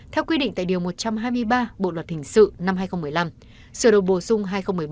theo quy định tại điều một trăm hai mươi ba bộ luật hình sự năm hai nghìn một mươi năm sửa đổi bổ sung hai nghìn một mươi bảy